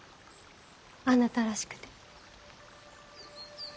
あなたらしくて。